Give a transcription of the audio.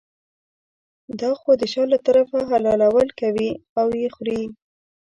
دا خو د شا له طرفه حلالول کوي او یې خوري.